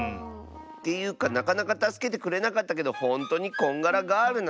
ていうかなかなかたすけてくれなかったけどほんとにこんがらガールなの？